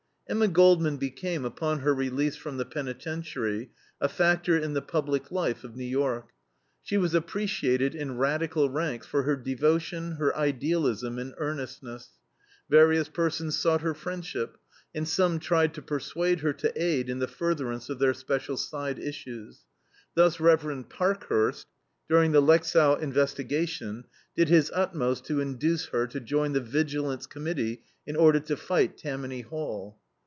Emma Goldman became, upon her release from the penitentiary, a factor in the public life of New York. She was appreciated in radical ranks for her devotion, her idealism, and earnestness. Various persons sought her friendship, and some tried to persuade her to aid in the furtherance of their special side issues. Thus Rev. Parkhurst, during the Lexow investigation, did his utmost to induce her to join the Vigilance Committee in order to fight Tammany Hall.